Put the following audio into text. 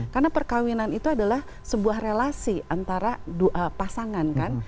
karena perkawinan itu adalah sebuah relasi antara pasangan kan